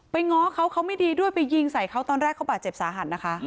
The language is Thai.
ง้อเขาเขาไม่ดีด้วยไปยิงใส่เขาตอนแรกเขาบาดเจ็บสาหัสนะคะ